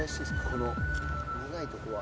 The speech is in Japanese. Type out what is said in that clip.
この苦いとこは。